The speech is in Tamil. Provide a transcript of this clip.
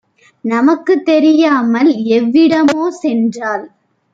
நமக்கும் தெரியாமல் எவ்விடமோ சென்றாள்.